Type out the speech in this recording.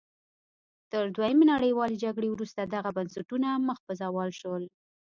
تر دویمې نړیوالې جګړې وروسته دغه بنسټونه مخ په زوال شول.